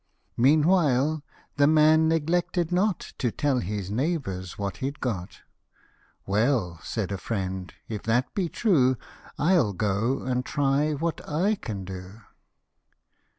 Meanwhile the man neglected not To tell his neighbours what he'd got :" Well," said a friend, If that be true, I'll go and try what / can do."